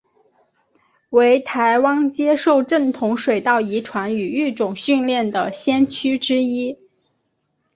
为台湾接受正统水稻遗传与育种训练的先驱之一。